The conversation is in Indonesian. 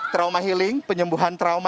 trauma healing penyembuhan trauma